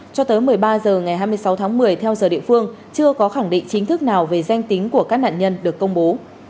cho tới một mươi ba h ngày hai mươi sáu tháng một mươi theo giờ địa phương chưa có khẳng định chính thức nào về danh tính của các nạn nhân được công bố